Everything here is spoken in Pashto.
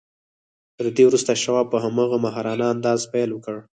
تر دې وروسته شواب په هماغه ماهرانه انداز پیل وکړ